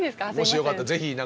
もしよかったらぜひ。